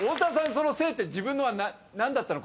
その「製」って自分のは何だったの？